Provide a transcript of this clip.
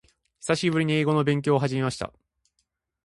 久しぶりに英語の勉強を始めました。